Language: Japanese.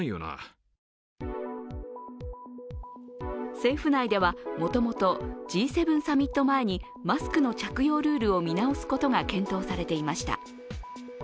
政府内では、もともとＧ７サミット前にマスクの着用ルールを見直すことが検討されていました。